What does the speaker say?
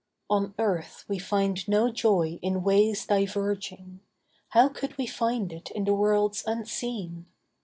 On earth we find no joy in ways diverging; How could we find it in the worlds unseen?